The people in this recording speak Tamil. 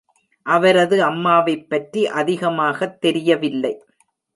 அவரது அம்மாவைப் பற்றி அதிகமாகத் தெரியவில்லை.